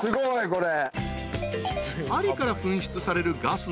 これ。